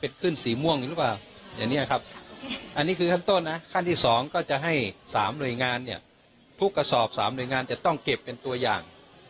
เอาไปตรวจสอบห้องแหลปของใครของมัน